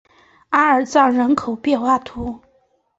阿尔藏人口变化图示